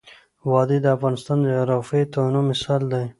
وادي د افغانستان د جغرافیوي تنوع مثال دی.